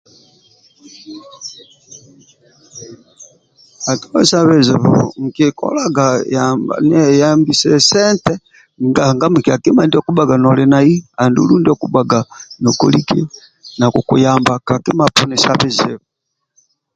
Akipesia bizibu nkikolaga nieyambisa sente nanga mikia kima ndionñ okubhaga noli nai andulu ndio okubhaga noli nai katumisa bizibu